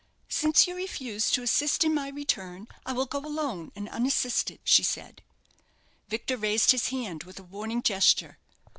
"Since you refuse to assist in my return, I will go alone and unassisted," she said. Victor raised his hand with a warning gesture.